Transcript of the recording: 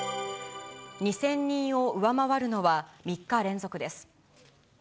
２０００人を上回るのは３日連続です。